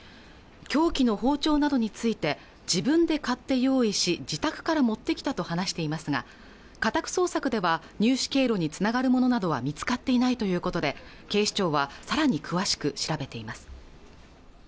凶器の包丁などについて自分で買って用意し自宅から持ってきたと話していますが家宅捜索では入手経路につながるものなどは見つかっていないということで警視庁はさらに詳しく調べています